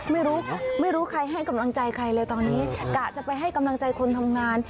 ไม่รู้ไม่รู้ใครให้กำลังใจใครเลยตอนนี้กะจะไปให้กำลังใจคนทำงาน